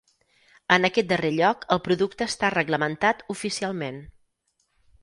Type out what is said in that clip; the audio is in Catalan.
En aquest darrer lloc el producte està reglamentat oficialment.